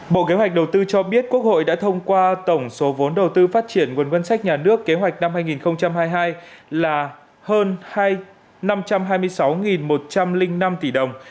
bộ kế hoạch đầu tư cho biết quốc hội đã thông qua tổng số vốn đầu tư phát triển nguồn ngân sách nhà nước kế hoạch năm hai nghìn hai mươi hai là hơn năm trăm hai mươi sáu một trăm linh năm tỷ đồng